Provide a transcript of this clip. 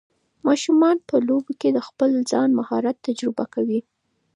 ماشومان په لوبو کې د خپل ځان مهارت تجربه کوي.